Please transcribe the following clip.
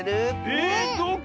えどこ？